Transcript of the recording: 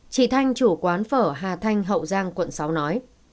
chị thanh chủ quán phở hà thanh hậu giang quận sáu nói